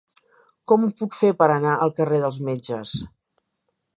Com ho puc fer per anar al carrer dels Metges?